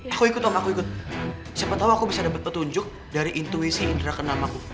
aku ikut om aku ikut siapa tau aku bisa dapet petunjuk dari intuisi indera kenam aku